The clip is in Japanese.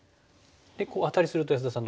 でアタリすると安田さん